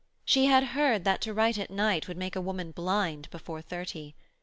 She had heard that to write at night would make a woman blind before thirty.